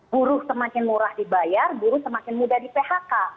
buruh semakin murah dibayar buruh semakin mudah di phk